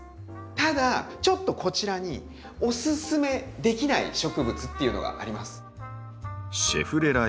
ただちょっとこちらにおすすめできない植物っていうのがあります。